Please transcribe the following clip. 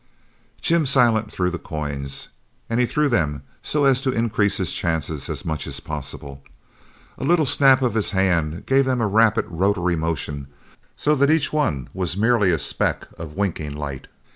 Jim Silent threw the coins, and he threw them so as to increase his chances as much as possible. A little snap of his hand gave them a rapid rotary motion so that each one was merely a speck of winking light.